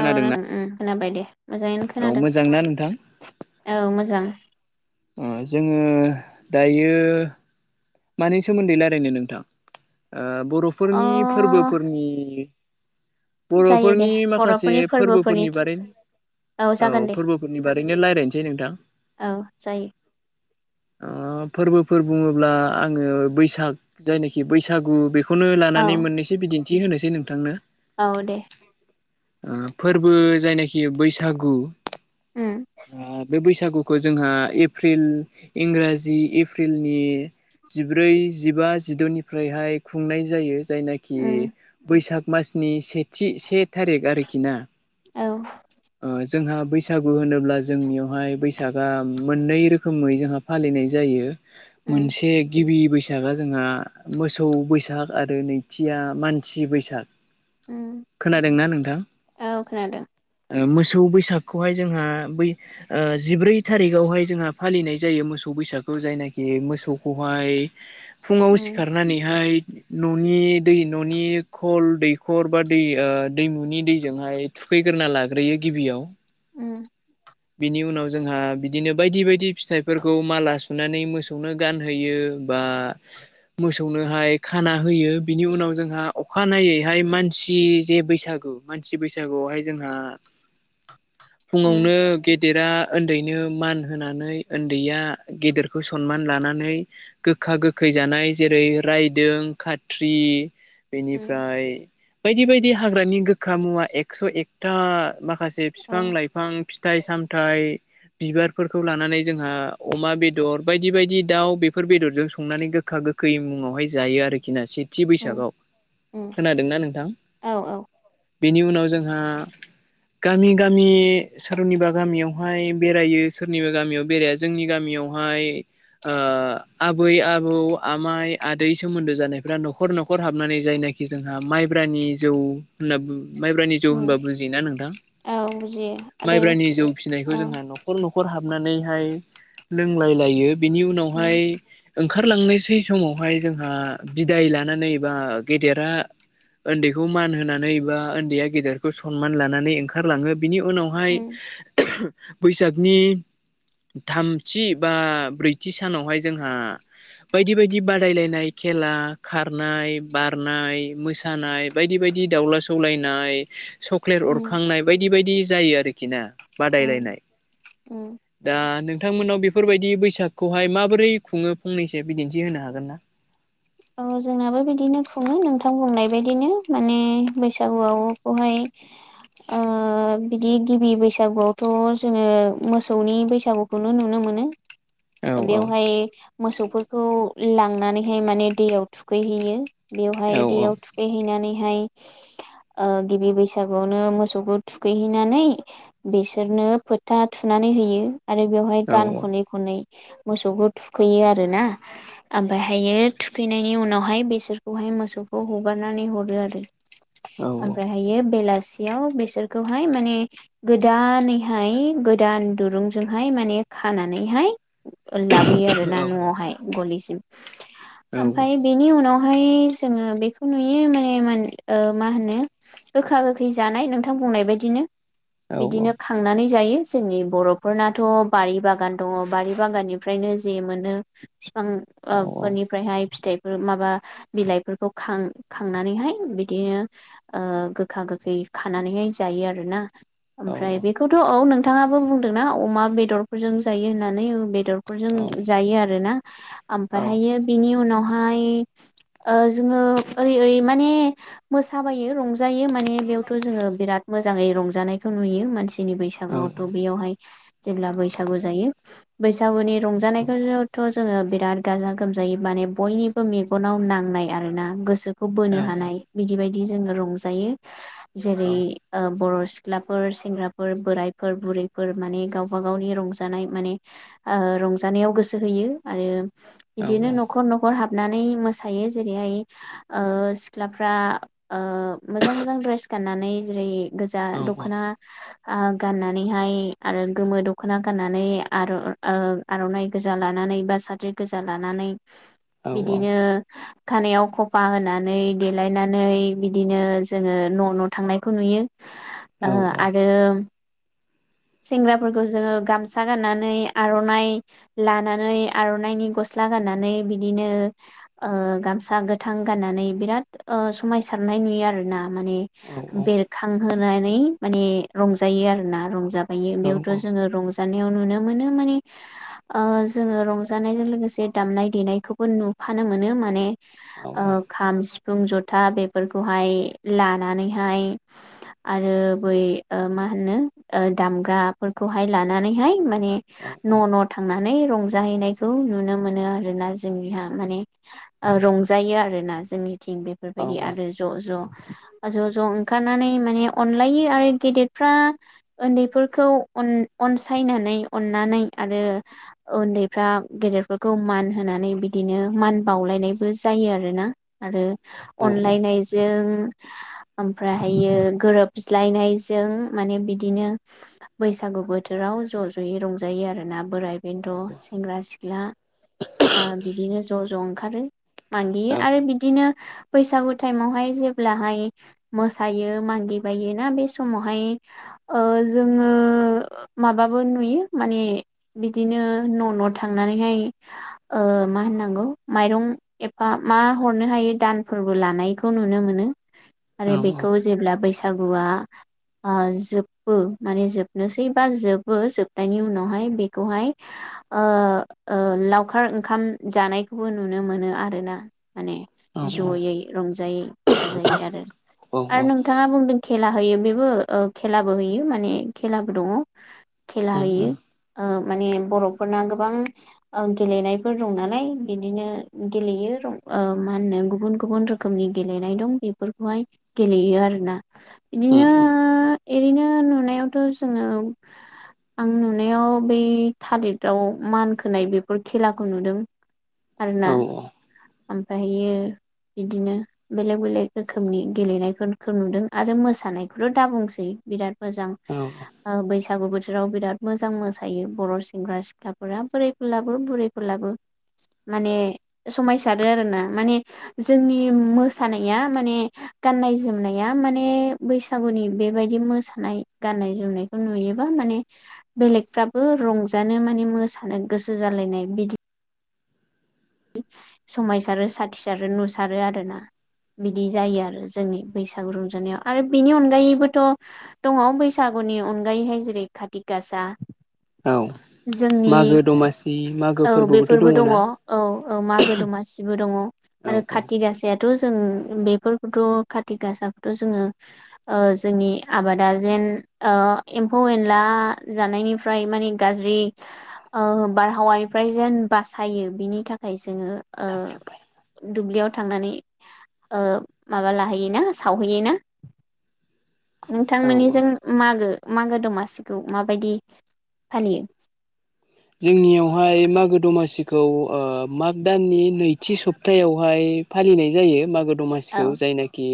औ खोनाबाय दे मोजाङैनो औ खोनादों मोजांना नोंथां औ मोजां। ओ जोङो दायो मानि सोमोन्दै रायलायनो नोंथां ओ अ बर'फोरनि फोरबोफोरनि जायो दे बर'फोरनि माखासे बर'फोरनि फोरबोफोरनि बारै औ जागोन दे फोरबोफोरनि बारैनो रायलायनोसै नोंथां। औ जायो ओ फोरबोफोर बुङोब्ला आङो बैसाग जायनोखि बैसागु बे खौनो लानानै औ मोननैसो बिदिन्थि होनोसै नोंथांनो औ दे ओ फोरबो जायनाखि बैसागु उम अ बे बैसागु बैसागुखौ जोंहा एप्रिल इंराजि एप्रिलनि जिब्रै जिबा जिदनिफ्रायहाय खुंनाय जायो जायनाखि उम बैसाग मासनि सेथि से थारिख आरोखि ना औ ओ जोंहा बैसागु होनोब्ला जोंनियावहाय बैसागा मोननै रोखोमै जोंहा फालिनाय जायो उम मोनसे गिबि बैसागा जोंहा मोसौ बैसाग आरो नैथिया मानसि बैसाग ओम खोनादोंना नोंथां? औ खोनादों। ओ मोसौ बैसागखौहाय जोंहा बै जिब्रै थारिखावहाय जोंहा फालिनाय जायो मोसौ बैसागखौ जायनाखि मोसौखौहाय फुङाव उम सिखारनानैहाय न'नि दै न'नि खल दैखर बा दै दैमुनि दैजोंहाय थुखैग्रोना लाग्रोयो गिबियाव ओम बिनि उनाव जोंहा बिदिनो बायदि बायदि फिथाइफोरखौ माला सुनानै मोसौनो गान होयो बा मोसौनोहाय खाना होयो बिनि उनाव जोंहा अखानायनायैहाय मानसि जे बैसागु औ मानसि बैसागुआवहाय जोंहा [inaudible] उम फुङावनो गेट गेदेरा उन्दैनो मान होनानै उन्दैया गेदेरखौ सनमान लानानै नै गोखा गोखै जानाय जेरै रायदों खात्रि उम बेनिफ्राय बायदि बायदि हाग्रानि गोखा मुवा एकस एकथा माखासे माखासे औ फिफां लाइफां फिथाइ सामथाइ बिबारफोरखौ लानानै जोंहा अमा बेदर बायदि बायदि दाउ बेफोर बेदरजों संनानै गोखा गोखै मुङावहाय जायो आरोखि ना सिद थि उम बैसागआव उम खोनादोंना नोंथां? औ औ बेनि उनाव जोंहा गामि गामि सोरनिबा गामियावहाय बेरायो सोरनिबा गामियाव बेराया जोंनि गामियाव याव हाय ओ आबै आबौ आमाइ आदै सोमोन्दो जानायफ्रा न'खर न'खर हाबनानै जायनाखि जोंहा माइ ब्रानि जौ होनना बो माइब्रानि जौ उम होनबा बुजियोना नोंथां? औ बुजियो आरो माइब्रानि जौ फिसिनायखौ औ जोंहा न'खर न'खर हाबनानै ओमफाय लोंलायलायो बिनि उम उनावहाय ओंखारलांनोसै समावहाय जोंहा बिदाय लानानै बा गेदेरा उन्दैखौ मान होनानै बा उन्दैया गेदेरखौ सनमान लानानै ओंखारलाङो। बिनि उनावहाय उम बैसागनि थाम थि बा ब्रैथि सानावहाय जोंहा बायदि बायदि बादायलायनाय खेला खारनाय बारनाय मोसानाय बायदि बायदि दि दाउला सौलायनाय सक्लेट उम अरखांनाय बायदि बायदि जायो आरोखि ना उम बादायलायनाय उम दा नोंथांमोनाव बेफोरबायदि बैसाग खौहाय माबोरै खुङो फंनैसो बिदिन्थि होनो हागोन ना? औ जोंनाबो बिदिनो खुङो नोंथां बुंनाय बायदिनो माने बैसागुआवखौहाय [inaudible] ओ बिदि गिबि बैसागुआवथ जोङो मोसौनि बैसागुखौनो नुनो मोनो। मोनो औ औ बेवहाय मोसौफोरखौ लांनानैहाय माने दैयाव थुखैहैयो। औ बेवहाय दैयाव थुखैहैनानैहाय ओ गिबि बैसागुआवनो मोसौखौ थुखैहैनानै बिसोरनो फोथा थुना नानै होयो। आरो बेवहाय औ गान खनै खनै मोसौखौ थुखैयो आरो ना ओमफ्रायहायो थुखैनायनि उनावहाय बेसोरखौहाय मोसौखौ हगारनानै हरो आरो। औ ओमफ्रायहायो बेलासियाव बेसोरखौहाय माने गोदानैहाय गो दान दुरुंजोंहाय माने खानानैहाय लाबोयो आरोना न'आवहाय गलिसिम। ओमफ्राय बेनि उनाव फ्राय जोङो बेखौ नुयो माने मोन ओ मा होनो गोखा गोखै जानाय नोंथां बुंनाय बायदिनो बिदिनो खांनानै जायो जोंनि बर'फोरनाथ' बारि बागान दङ बारि बागाननिफ्रायनो जे मोनो फि बिफां ओ फोरनि ओमफ्रायहाय फिथाइफोर माबा बिलाइफोरखौ खां-खांनानैहाय बिदिनो ओ गोखा गोखै खानानैहाय जायो आरोना ओमफ्राय बेखौथ' औ नों नोंथाङाबो बुंदों ना अमा बेदरफोरजों जायो होननानै ओं बेदरफोरजों जायो आरोना। ओमफ्रायहायो बिनि उनावहाय ओ जोङो ओरै ओरै माने मोसाबायो रंजायो माने बेयावथ' जोङो बिराद मोजाङै रंजानायखौ नुयो मानसिनि बैसागुआवथ' बेयावहाय जेब्ला बैसागु जायो। बैसागुनि रंजानायखौनोथ' जोङो बिराद गाजा गोमजा जायो माने बयनिबो मेगनाव नांनाय आरोना गोसोखौ बोनो हानाय बिदि बायदि जोङो रं जायो जेरै औ ओ बर' सिख्लाफोर सेंग्राफोर बोरायफोर बुरैफोर माने गावबा गावनि रंजानाय माने ओ रंजानायाव गोसो होयो आरो बिदिनो औ औ न'खर न'खर हाब हाबनानै मोसायो जेरैहाय ओ सिख्लाफ्रा ओ मोजां मोजां द्रेस गाननानै जेरै गोजा औ दख'ना आ गाननानैहाय आरो गोमो दख'ना गाननानै आर ओ आर'नाइ गोजा लानानै नानै बा साद्रि गोजा लानानै बिदिनो खानायाव खफा होनानै देलायनानै बिदिनो जोङो न' न' थांनायखौ नुयो। ओ आरो सेंग्राफोरखौ जोङो गामसा गाननानै आर'नाइ लानानै आर'नाइनि गस्ला स्ला गाननानै बिदिनो ओ गामसा गोथां गाननानै बिराद ओ समायसारनाय नुयो आरो ना माने बेरखांहोनानै माने रंजायो आरो ना रंजाबा यो बेयावथ' जोङो रंजा नायाव नुनो मोनो माने ओ जोङो रंजानायजों लोगोसे दामनाय देनायखौबो नु फानो मोनो माने ओ खाम सिफ फुं जथा बेफोरखौहाय लानानैहाय आरो बै ओ मा मा होनो ओ दामग्रा फोरखौहाय लानानैहाय माने न' न' थांना नै रंजाहैनायखौ नुनो मोनो आरोना जोंनिहा माने ओ रंजायो आरो ना जोंनि थिं बेफोरबायदि आरो ज' ज' ज' ज' ओंखारनानै माने अनलायो आरो गेदेरफ्रा उन्दैफोरखौ अन अनसायनानै अननानै आरो उन्दैफ्रा गेदे गेदेरफोरखौ मान होनानै बिदिनो मान बावलायनायबो जायो आरोना आरो अनलायनायजों ओमफ्राय हायो गोरोबज्लायनायजों माने बिदि बिदिनो बैसागु बोथोराव ज' ज'यै रंजायो आरोना बोराय बुरि बेन्थ' सेंग्रा सिख्ला ओ बिदिनो ज' ज' ओंखारो। मानियो आरो बिदिनो बैसागु टाइमावहाय जेब्लाहाय मोसायो मागि बायो ना बे समावहाय [inaudible] ओ जोङो ओ माबाबो नुयो माने बिदिनो न' न' थांनानै नैहाय ओ मा होननांगौ माइरं एफा मा हरनो हायो दानफोरबो ला नायखौ नुनो मोनो आरो बेखौ जेब्ला बैसागुआ ओ ज माने जोबनोसै बा जोबो जोबनायनि उनावहाय बेखौहाय ओ ओ लावखार ओंखाम जानायखौबो नुनो मोनो आरोना माने औ जयै रंजायै बाजायै आरो औ -आरो उम नोंथाङा बुंदों खेला होयो बेबो खेलाबो होयो माने खेलाबो दङ खेला हैयो उम ओ माने बर'फोरना गोबां गेलेनायफोर दं नालाय बिदिनो गेलेयो रं ओ मा होनो गुबुन- गुबुन रोखोमनि गेलेनाय दं बेफोरखौहाय गेलेयो आरोना उम बिदिनो एओरैनो नुनायावथ' जोङो आं नुनायाव बै थालिराव मान खोनाय बेफोर खेलाखौ नुदों आरोना ओमफाय बिदिनो बेलेक -बेलेक रोखोमनि गेलेनायफोरखौ नुदों आरो मोसानायखौथ' दाबुंसै बिराद मोजां औ ओ बैसागु बोथोराव बिराद मोजां मोसायो बर' सेंग्रा -सिख्लाफोरा बोरैखौ लाबो बुरैखौ लाबो माने समायसारो आरो ना माने जोंनि मोसानाया माने गाननाय जोमनाया माने बैसागुनि बेबायदि मो मोसानाय गाननाय जोमनायखौ नुयोबा माने बेलेगफ्राबो रंजानो माने मोसानो गोसो जालायनाय बिदि समायसारो साथिसारो नुसारो आरोना बिदि जायो आरो जोंनि बैसागु रंजानायाव आरो बिनि अनगायैबोथ' दङ बैसागु नि अनगायैहाय जेरै खाति गासा औ जोंनि मागो दमासि मागो औ फोरबोबोथ' बेफोरबो दङ ना औ मागो दमासिबो दङ औ आरो औ खाथि गासायाथ' जों बेफोरखौथ' कारतिक गासाखौथ' जोङो ओ जोंनि ओ आबादा जेन ओ एम्फौ -एनला जानायनिफ्राय माने गाज्रि ओ बारहावाया निफ्राय जेन बासायो बिनि थाखाय जोङो थांजोब्बाय ओ दुब्लियाव थांनानै ओ माबा लाहैयोना सावहैयो ना औ औ नोंथांमोननिजों मागो- मागो दमासिगखौ माबायदि फालियो जोंनियावहाय मागो दमासि औ माग दाननि नैथि सप्तायावहाय फालिनाय जायो मागो दमा औ दमासिखौ जायनाखि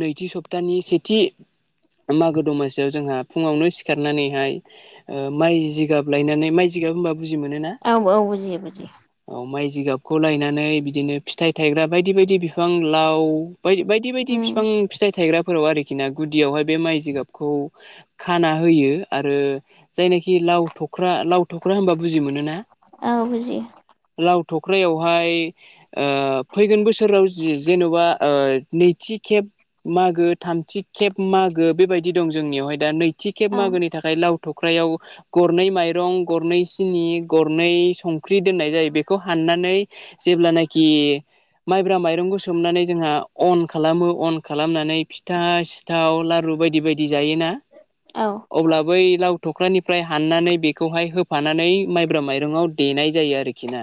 नैथि सप्तानि सेथि मागो दमासियाव जोंहा फुङावनो सिखारनानैहाय ओ माइ जिगाब लायनानै माइजिगाब होनबा बुजि मोनोना औ -औ बुजियो -बुजियो औ माइ जिगाबखौ लायनानै बिदिनो फिथाइ थायग्रा बायदि -बायदि बिफां लाव बाय बायदि -बायदि उम बिफां फिथाइ थायग्रा फोराव आरोखि ना गुदियावहाय बे माइ जिगाबखौ खाना होयो आरो जायनाखि लाव लाव थख्रा होनबा बुजि मोनोना औ बुजियो थख्रायावहाय ओ फैगोन बोसोराव जि जेन'बा ओ नैथि खेब मागो थामथि खेब मागो बेबायदि दं जोंनियावहाय दा नै थि खेब औ मागोनि थाखाय लाव थख्रायाव गरनै माइरं गरनै सिनि गरनै संख्रि दोननाय जायो बेखौ हाननानै जेब्लानाखि माइब्रा माइरंखौ सोमनानै जोंहा अन खालामो अन खालामनानै फिथा सिथाव लारु बायदि -बायदि जायोना औ अब्ला बै लाव थख्रानि फ्राय हाननानै बेखौहाय होफानानै माइब्रा माइरंआव देनाय जायो आरखि ना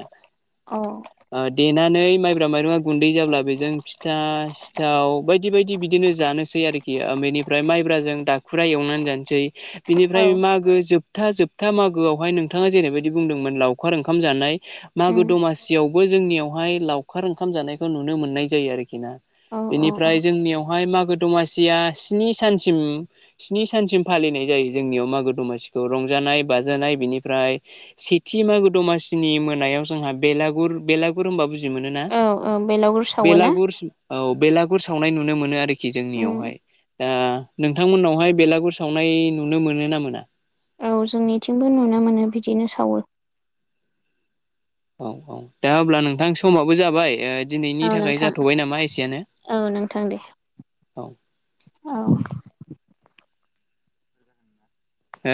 औ ओ देनानै माइब्रा माइरंआ गुन्दै जाब्ला बेजों फिथा स थाव बायदि- बायदि बिदिनो जानोसै आरखि बेनिफ्राय माइब्राजों दाखुरा एवनानै जानसै औ बिनिफ्राय मागो जोबथा -जोबथा मागोआवहाय नोंथाङा जेरैबायदि बुंदोंमोन लावखार ओंखाम जानाय मागो उम दमासियावबो जोंनियावहाय लावखार ओंखाम जानायखौ नुनो मोननाय जायो आरोख खिना औ औ औ बेनिफ्राय जोंनियावहाय मा गो दमासिया स्नि सानसिम स्नि सानसिम फालिनाय जायो जोंनियाव मागो दमासि खौ रंजानाय बाजानाय बेनिफ्राय सेथि मागो दमासिनि मोनायाव जोंहा बेलागुर बेलागुर होमबा बुजि जिमोनोना औ औ बेलागुर सावो ना बेलागुरस औ बेलागुर सावनाय नुनो मोनो आरो खि उम जोंनियावहाय दा नोंथांमोननावहाय बेलागुर सावनाय नुनो मोनो ना मोना औ जोंनिथिंबो नुनो मोनो बिदिनो सावो औ औ दा अब्ला नोंथां समाबो जाबाय ओ औ दिनैनि थाखाय नोंथां जाथ'बाय नामा एसेयानो औ नोंथां दे औ औ हो